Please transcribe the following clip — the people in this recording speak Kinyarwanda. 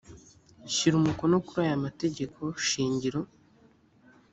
shyira umukono kuri aya mategeko shingiro